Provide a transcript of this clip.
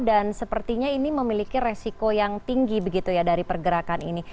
dan sepertinya ini memiliki resiko yang tinggi begitu ya dari pergerakan ini